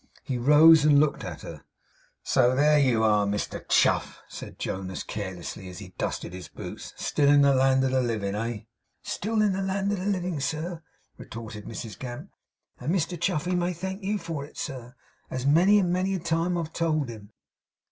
He rose and looked at her. 'So there you are, Mr Chuff,' said Jonas carelessly, as he dusted his boots; 'still in the land of the living, eh?' 'Still in the land of the living, sir,' retorted Mrs Gamp. 'And Mr Chuffey may thank you for it, as many and many a time I've told him.